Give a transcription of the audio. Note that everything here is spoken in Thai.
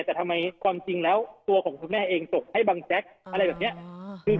แต่ทำไมความจริงแล้วตัวของคุณแม่เองตกให้บังแจ๊กอะไรแบบนี้